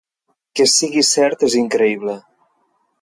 Que sigui cert és increïble.